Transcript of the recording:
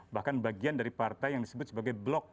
bahkan bagian dari partai yang disebut sebagai blok